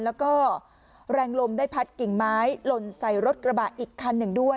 แล้วก็แรงลมได้พัดกิ่งไม้หล่นใส่รถกระบะอีกคันหนึ่งด้วย